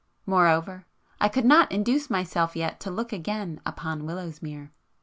Moreover I could not induce myself yet to look again upon Willowsmere.